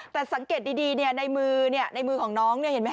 แต่สังเกตดีในมือในมือของน้องเนี่ยเห็นไหมค